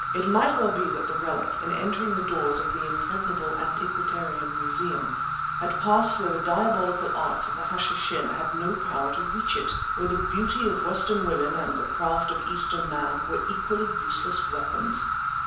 It might well be that the relic, in entering the doors of the impregnable Antiquarian Museum, had passed where the diabolical arts of the Hashishin had no power to reach it—where the beauty of Western women and the craft of Eastern man were equally useless weapons.